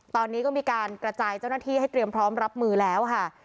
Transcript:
ตอนนี้ก็มีการกระจายเจ้าหน้าที่ให้เตรียมพร้อมรับมือแล้วค่ะ